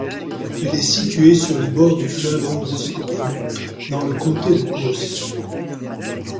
Elle est située sur les bords du fleuve Androscoggin, dans le comté de Coos.